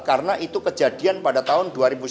karena itu kejadian pada tahun dua ribu sembilan